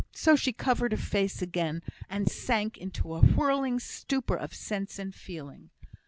So she covered her face again, and sank into a whirling stupor of sense and feeling.